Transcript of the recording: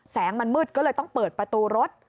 มันมืดก็เลยต้องเปิดประตูรถ